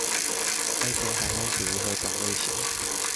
該種海岸屬於何種類型？